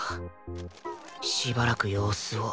しばらく様子を